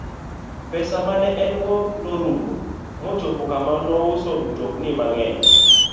Pesa ma ne en go norumo mochopo kama nouso mtokni mang'eny.